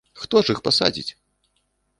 Хто ж іх пасадзіць?!